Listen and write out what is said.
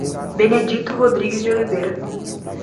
Benedito Rodrigues de Oliveira